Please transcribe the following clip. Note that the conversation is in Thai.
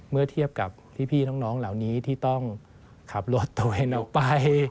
เมื่อเทียบกับพี่น้องเหล่านี้ที่ต้องขับรถตัวเองออกไป